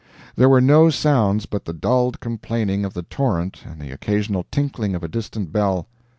There were no sounds but the dulled complaining of the torrent and the occasional tinkling of a distant bell.